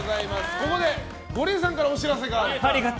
ここでゴリエさんからお知らせです。